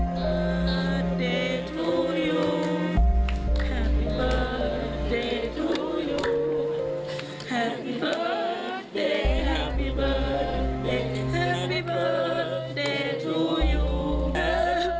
แฮปปี้เบิร์นเดทูยู